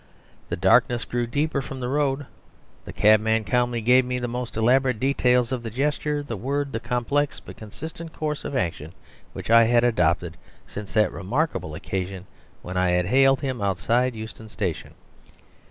The darkness grew deeper from the road. The cabman calmly gave me the most elaborate details of the gesture, the words, the complex but consistent course of action which I had adopted since that remarkable occasion when I had hailed him outside Euston Station.